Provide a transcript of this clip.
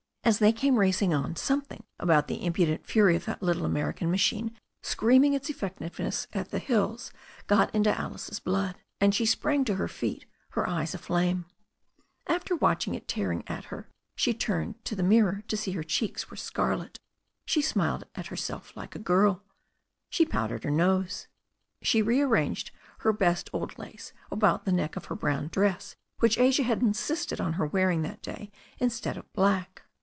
As they came racing on, something about the impudent fury of that little American machine screaming its effectiveness at the hills got into Alice's blood, and she sprang to her feet, her eyes aflame. After watching it t^^im^ ^t hat she turned to her mir ror to see that Viet c\ie^\^^ ^^t^ ^q.^\\^\.. "t^^ ^m^^^^Lt her THE STORY OF A NEW ZEALAND RIVER 423 self like a girl. She powdered her nose. She rearranged her best old lace about the neck of the brown dress, which Asia had insisted on her wearing that day instead of black.